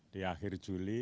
di akhir juli